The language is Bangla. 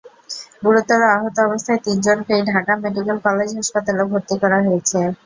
গুরুতর আহত অবস্থায় তিনজনকেই ঢাকা মেডিকেল কলেজ হাসপাতালে ভর্তি করা হয়েছে।